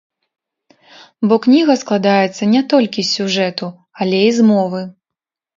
Бо кніга складаецца не толькі з сюжэту, але і з мовы.